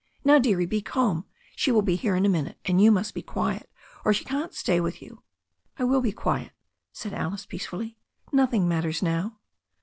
Now, dearie, be calm, she will be here in a minute, and you must be quiet, or she can't stay with you." "I will be quiet," said Alice peacefully. "Nothing mat ters now."